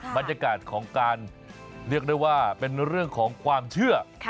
บรรยากาศของการเรียกได้ว่าเป็นเรื่องของความเชื่อ